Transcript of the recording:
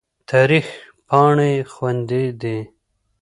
تاریخ پاڼې خوندي دي.